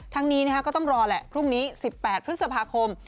นี้ก็ต้องรอแหละพรุ่งนี้๑๘พฤษภาคม